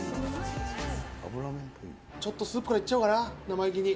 ちょっとスープからいっちゃおうかな、生意気に。